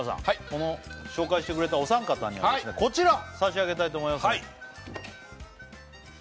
この紹介してくれたお三方にはこちら差し上げたいと思います